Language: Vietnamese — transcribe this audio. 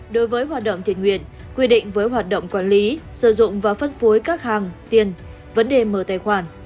đối với hoạt động thiện nguyện quy định với hoạt động quản lý sử dụng và phân phối các hàng tiền vấn đề mở tài khoản